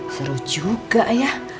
seru juga ya